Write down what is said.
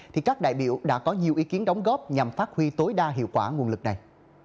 thì các đại biểu đã có nhiều ý kiến đóng góp nhằm phát huy tối đa hiệu quả nguồn lực này